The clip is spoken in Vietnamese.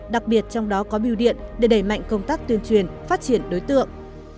đặc biệt trong đó có biêu điện để đẩy mạnh công tác tuyên truyền phát triển đối tượng